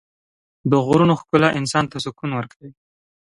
د غرونو ښکلا انسان ته سکون ورکوي.